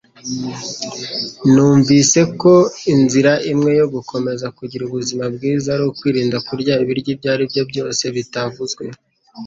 Numvise ko inzira imwe yo gukomeza kugira ubuzima bwiza ari ukwirinda kurya ibiryo ibyo aribyo byose bitavuzwe